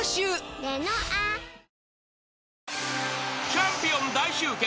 ［チャンピオン大集結。